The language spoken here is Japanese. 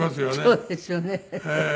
そうですよね。